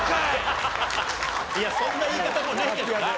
いやそんな言い方もねえけどな。